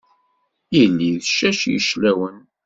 Yelli d ccac yeclawan.